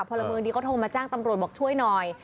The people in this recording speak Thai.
พระมือนี่เขามาจ้างตำรวจบอกช่วยหน่อย